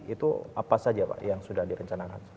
itu apa saja pak yang sudah direncanakan